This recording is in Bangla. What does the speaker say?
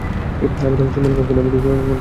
আমি তো সীমালংঘনকারী।